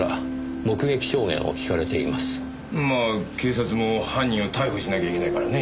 まあ警察も犯人を逮捕しなきゃいけないからね。